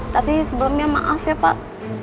tapi sebelumnya maaf ya pak